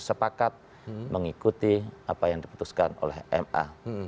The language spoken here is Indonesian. sepakat mengikuti apa yang diputuskan oleh ma